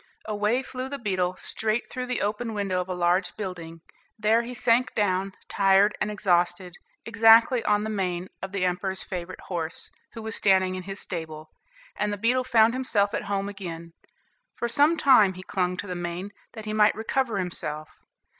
Away flew the beetle, straight through the open window of a large building; there he sank down, tired and exhausted, exactly on the mane of the emperor's favorite horse, who was standing in his stable; and the beetle found himself at home again. For some time he clung to the mane, that he might recover himself.